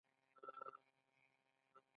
د خبرو نه عمل ته ارزښت ورکړه.